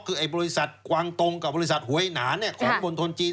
คือบริษัทกวังตงกับบริษัทหวยหนาของบนทนจีน